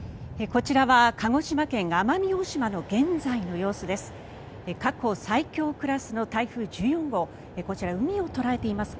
こちらは鹿児島県・奄美大島の現在の様子です。